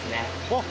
あっ！